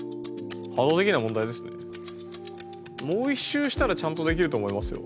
もう一周したらちゃんとできると思いますよ。